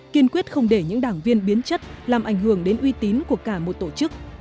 kiên quyết không để những đảng viên biến chất làm ảnh hưởng đến uy tín của cả một tổ chức